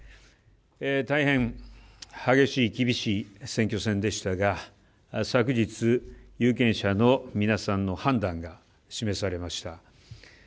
大変激しい、厳しい選挙戦でしたが昨日、有権者の皆さんの判断が示されました。